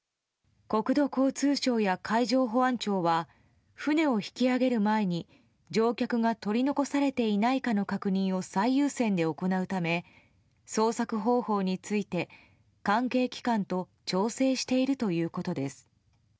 国土交通省や海上保安庁は船を引き揚げる前に乗客が取り残されていないかの確認を最優先で行うため捜索方法について関係機関と調整しているということです。